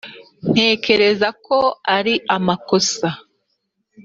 ntekereza ko ari amakosa